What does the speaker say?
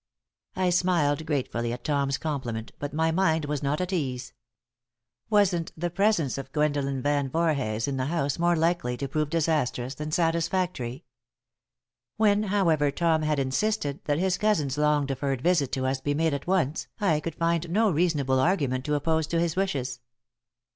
I smiled gratefully at Tom's compliment, but my mind was not at ease. Wasn't the presence of Gwendolen Van Voorhees in the house more likely to prove disastrous than satisfactory? When, however, Tom had insisted that his cousin's long deferred visit to us be made at once, I could find no reasonable argument to oppose to his washes.